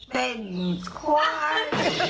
เป็นควาย